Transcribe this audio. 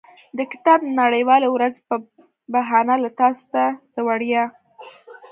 د کتاب د نړیوالې ورځې په بهانه له تاسو ته د وړیا.